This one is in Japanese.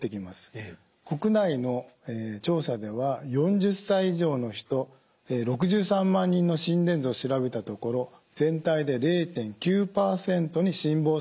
国内の調査では４０歳以上の人６３万人の心電図を調べたところ全体で０．９％に心房細動が見つかってます。